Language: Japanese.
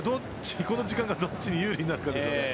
この時間がどっちに有利になるかです。